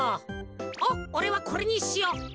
おっおれはこれにしよう。